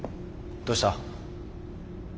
どうした？